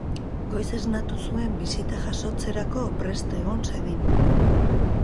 Goiz esnatu zuen, bisita jasotzerako prest egon zedin.